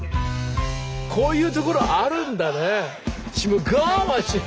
こういうところあるんだね。